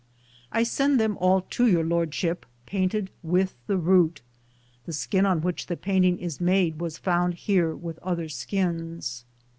I send them all to Your Lordship, painted with the route. The skin on which the painting is made was found here with other skins.